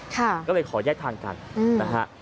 ก็เลยขอแยกทางกันนะฮะ